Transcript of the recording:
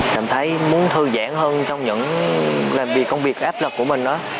tạm thấy muốn thư giãn hơn trong những làm việc công việc áp lập của mình đó